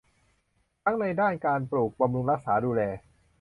ทั้งในด้านการปลูก บำรุงรักษา ดูแล